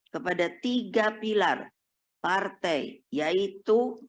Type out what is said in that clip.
kepada tiga pilar partai yaitu